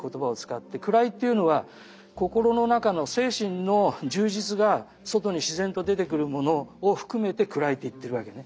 位っていうのは心の中の精神の充実が外に自然と出てくるものを含めて位って言ってるわけね。